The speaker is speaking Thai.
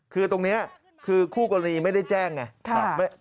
คือตรงนี้คือคู่กรณีไม่ได้แจ้งไง